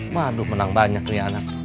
waduh menang banyak nih anak